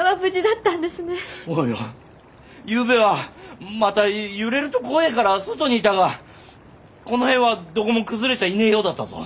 ゆうべはまた揺れると怖えから外にいたがこの辺はどこも崩れちゃいねえようだったぞ。